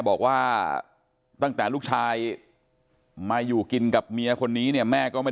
บอกว่าตั้งแต่ลูกชายมาอยู่กินกับเมียคนนี้เนี่ยแม่ก็ไม่